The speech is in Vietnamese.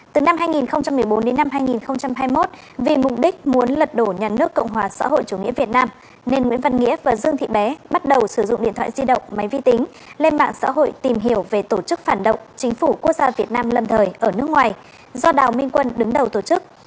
từ năm hai nghìn một mươi bốn đến năm hai nghìn hai mươi một vì mục đích muốn lật đổ nhà nước cộng hòa xã hội chủ nghĩa việt nam nên nguyễn văn nghĩa và dương thị bé bắt đầu sử dụng điện thoại di động máy vi tính lên mạng xã hội tìm hiểu về tổ chức phản động chính phủ quốc gia việt nam lâm thời ở nước ngoài do đào minh quân đứng đầu tổ chức